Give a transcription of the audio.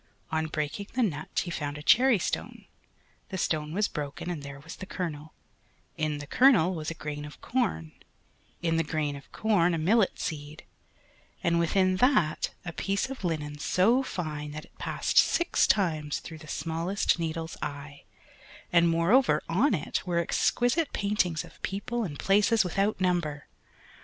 On breaking the nut he found a cherry stone, the stone was broken and there was the kernel, in the kernel was a grain of corn, in the grain of corn a millet seed, and within that a piece of linen so fine that it passed six times through the smallest needle's eye, and moreover on it were exquisite paintings of people and places without number.